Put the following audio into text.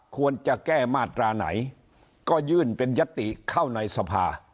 ควรจะแก้มาตราไหนก็ยื่นเป็นยติเข้าในสภา